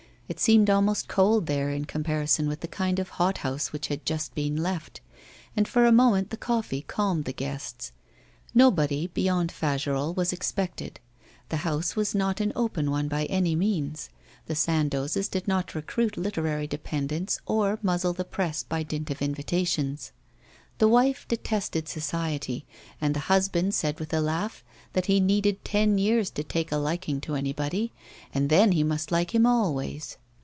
It seemed almost cold there in comparison with the kind of hot house which had just been left; and for a moment the coffee calmed the guests. Nobody beyond Fagerolles was expected. The house was not an open one by any means, the Sandozes did not recruit literary dependents or muzzle the press by dint of invitations. The wife detested society, and the husband said with a laugh that he needed ten years to take a liking to anybody, and then he must like him always.